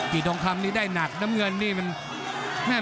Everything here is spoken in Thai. กี่ต้งคำนี่ได้หนักน้ำเงินนี่มัน